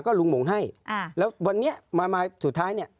ก็ลุ้งมงให้แล้ววันนี้มามาสุดท้าย